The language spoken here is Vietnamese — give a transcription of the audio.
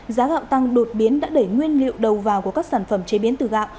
giá gạo tăng đột biến đã đẩy nguyên liệu đầu vào của các sản phẩm chế biến từ gạo